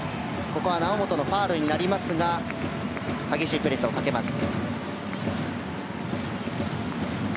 ここは猶本のファウルになりましたが激しいプレスをかけます。